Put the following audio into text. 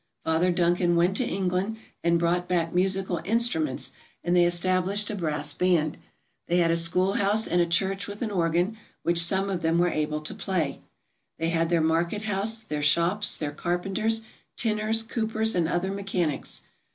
Father Duncan went to England and brought back musical instruments and they established a brass band. They had a school house and a church with an organ, which some of them were able to play. They had their market house, their shops, their carpenters, tinners, coopers, and other mechanics.